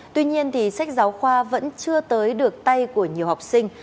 tuy nhiên sách giáo khoa vẫn chưa tới được tay của nhiều học sinh